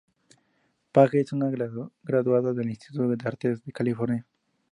Page es un graduado del Instituto de Artes de California.